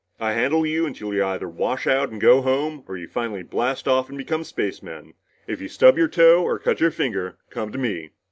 I handle you until you either wash out and go home, or you finally blast off and become spacemen. If you stub your toe or cut your finger, come to me.